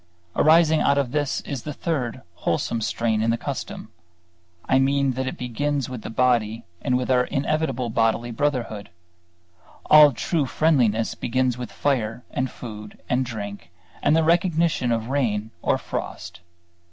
Arising out of this is the third wholesome strain in the custom; I mean that it begins with the body and with our inevitable bodily brotherhood. All true friendliness begins with fire and food and drink and the recognition of rain or frost.